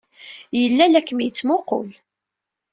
Yella la kem-yettmuqqul.